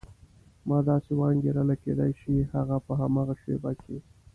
ما داسې وانګېرله کېدای شي هغه په هماغه شېبه کې.